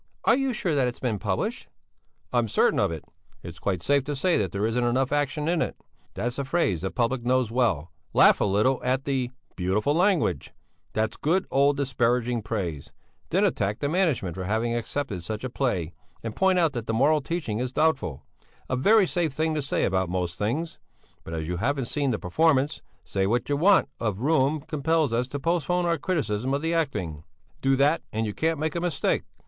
"Are you sure that it has been published?" "I am certain of it. It's quite safe to say that there isn't enough action in it; that's a phrase the public knows well; laugh a little at the 'beautiful language'; that's good, old, disparaging praise; then attack the management for having accepted such a play and point out that the moral teaching is doubtful a very safe thing to say about most things. But as you haven't seen the performance, say that want of room compels us to postpone our criticism of the acting. Do that, and you can't make a mistake."